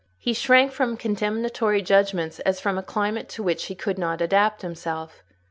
He shrank from condemnatory judgments as from a climate to which he could not adapt himself.